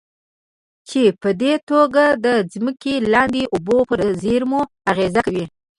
چې پدې توګه د ځمکې لاندې اوبو پر زېرمو اغېز کوي.